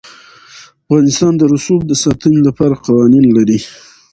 افغانستان د رسوب د ساتنې لپاره قوانین لري.